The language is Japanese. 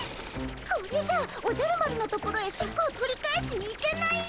これじゃおじゃる丸のところへシャクを取り返しに行けないよ。